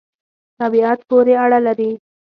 طبعیت پوری اړه لری